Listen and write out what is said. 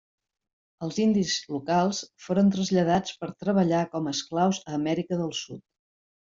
Els indis locals foren traslladats per treballar com a esclaus a Amèrica del Sud.